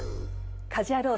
『家事ヤロウ！！！』